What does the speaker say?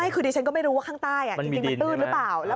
ใช่คือดิฉันก็ไม่รู้ว่าข้างใต้จริงมันตื้นหรือเปล่า